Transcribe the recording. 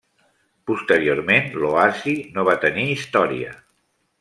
Posteriorment l'oasi no va tenir història.